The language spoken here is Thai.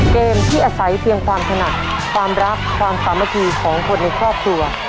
เกมที่อาศัยเพียงความถนัดความรักความสามัคคีของคนในครอบครัว